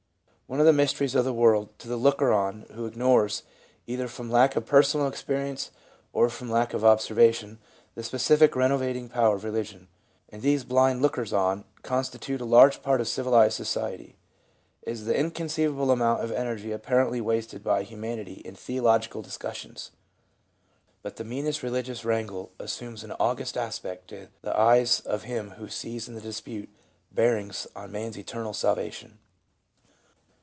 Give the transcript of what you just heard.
One of the mysteries of the world to the looker on who ignores, either from lack of personal experience or from lack of observation, the specific renovating power of Eeligion — and these blind lookers on constitute a large part of civilized society — is the inconceivable amount of energy apparently wasted by humanity in theological discussions. But the meanest religious wrangle assumes an august aspect to the eyes of him who sees in the dispute bearings on man's eternal salvation.